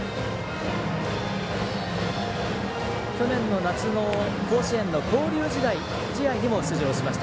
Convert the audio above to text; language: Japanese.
去年の夏の甲子園の交流試合にも出場しました。